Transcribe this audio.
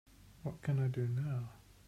what can I do now?